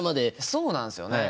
そうなんすよね。